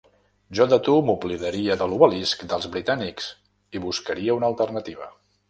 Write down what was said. Jo de tu m'oblidaria de l'obelisc dels britànics i buscaria una alternativa.